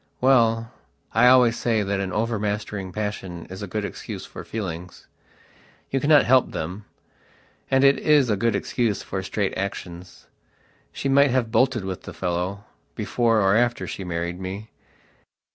Well, I always say that an overmastering passion is a good excuse for feelings. You cannot help them. And it is a good excuse for straight actionsshe might have bolted with the fellow, before or after she married me.